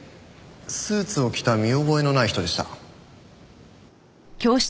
スーツを着た見覚えのない人でした。